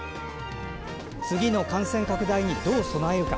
次の感染拡大にどう備えるか。